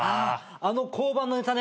あの交番のネタね。